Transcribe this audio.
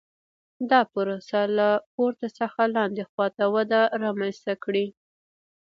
دا پروسه له پورته څخه لاندې خوا ته وده رامنځته کړي